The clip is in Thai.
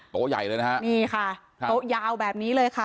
โต๊ะใหญ่เลยนะฮะนี่ค่ะโต๊ะยาวแบบนี้เลยค่ะ